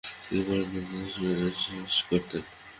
তিনি কুরআন তেলাওয়াত করে শেষ করতেন।